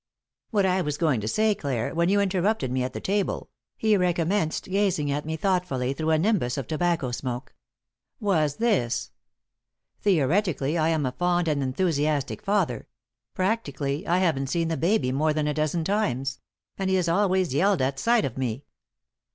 "What I was going to say, Clare, when you interrupted me at the table," he recommenced, gazing at me thoughtfully through a nimbus of tobacco smoke, "was this: Theoretically, I am a fond and enthusiastic father; practically, I haven't seen the baby more than a dozen times and he has always yelled at sight of me."